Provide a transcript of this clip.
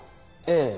ええ。